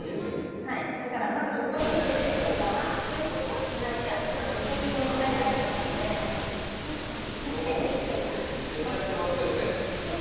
だから、まずここに入れてというよりは手をつないで私は助手席に乗せたいタイプなので、欲しいんですけどめちゃくちゃにあってるけどね。